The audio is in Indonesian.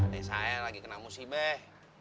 adik saya lagi kena musibah